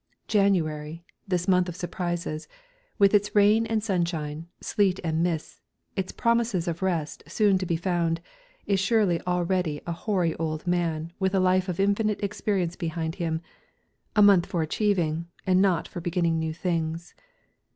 January, this month of surprises, with its rain and sunshine, sleet and mists, its promises of rest soon to be found, is surely already a hoary old man with a life of infinite experience behind him, a month for achieving and not for beginning things.